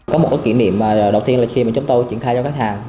có một cái kỷ niệm đầu tiên là khi mà chúng tôi triển khai cho khách hàng